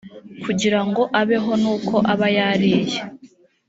kugira ngo abeho n’uko aba yariye: